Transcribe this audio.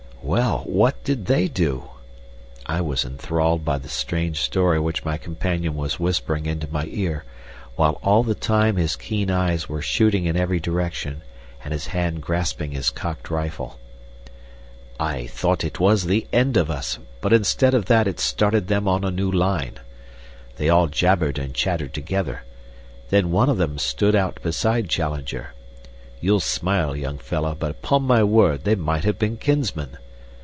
"Well, what did they do?" I was enthralled by the strange story which my companion was whispering into my ear, while all the time his keen eyes were shooting in every direction and his hand grasping his cocked rifle. "I thought it was the end of us, but instead of that it started them on a new line. They all jabbered and chattered together. Then one of them stood out beside Challenger. You'll smile, young fellah, but 'pon my word they might have been kinsmen.